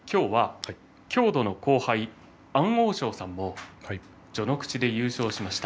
今日は郷土の後輩安大翔さんも序ノ口で優勝しました。